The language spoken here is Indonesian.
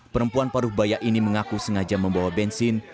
perempuan paruh bayak ini mengaku sengaja membawa bensin